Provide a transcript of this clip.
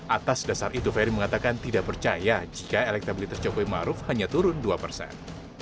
atas dasar itu ferry mengatakan tidak percaya jika elektabilitas jokowi maruf hanya turun dua persen